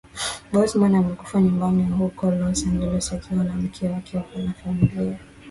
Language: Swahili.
Boseman amekufa nyumbani huko Los Angeles akiwa na mke wake na familia